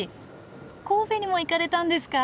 神戸にも行かれたんですか！？